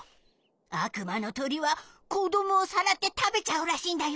あくまのとりはこどもをさらってたべちゃうらしいんだよ。